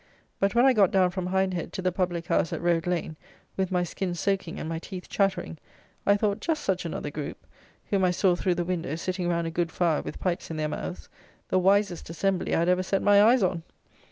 But, when I got down from Hindhead to the public house at Road Lane, with my skin soaking and my teeth chattering, I thought just such another group, whom I saw through the window sitting round a good fire with pipes in their mouths, the wisest assembly I had ever set my eyes on.